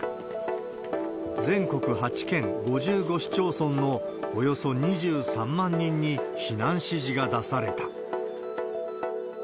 全国８県５５市町村のおよそ２３万人に、避難指示が出された。